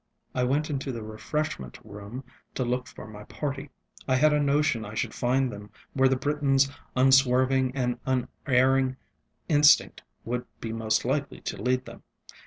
I went into the refreshment room to look for my party; I had a notion I should find them where the BritonŌĆÖs unswerving and unerring instinct would be most likely to lead them.